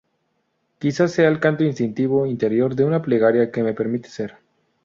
Quizás sea el canto instintivo, interior de una plegaria que me permite ser"".